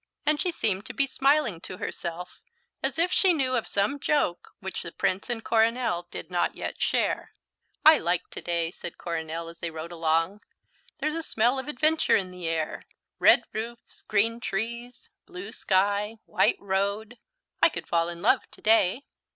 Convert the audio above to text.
And she seemed to be smiling to herself as if she knew of some joke which the Prince and Coronel did not yet share. "I like to day," said Coronel as they rode along. "There's a smell of adventure in the air. Red roofs, green trees, blue sky, white road I could fall in love to day."